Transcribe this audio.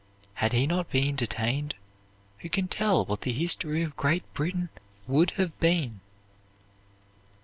Had he not been detained, who can tell what the history of Great Britain would have been?